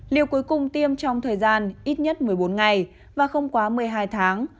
liều cuối cùng tiêm trong thời gian ít nhất một mươi bốn ngày và không quá một mươi hai tháng